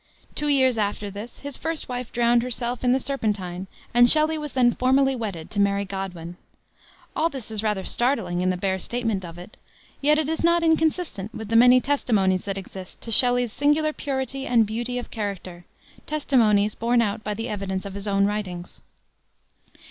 Two years after this his first wife drowned herself in the Serpentine, and Shelley was then formally wedded to Mary Godwin. All this is rather startling, in the bare statement of it, yet it is not inconsistent with the many testimonies that exist, to Shelley's singular purity and beauty of character, testimonies borne out by the evidence of his own writings.